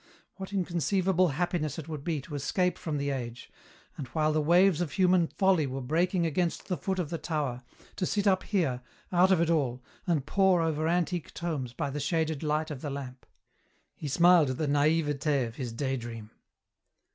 What inconceivable happiness it would be to escape from the age, and, while the waves of human folly were breaking against the foot of the tower, to sit up here, out of it all, and pore over antique tomes by the shaded light of the lamp." He smiled at the naïveté of his daydream.